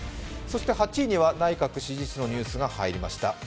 そして８位には、内閣支持率のニュースが入りました。